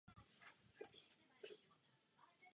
Tímto byly postiženy zvláště ženy.